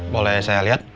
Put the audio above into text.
boleh saya liat